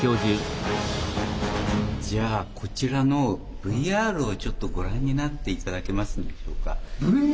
じゃあこちらのＶＲをちょっとご覧になって頂けますでしょうか。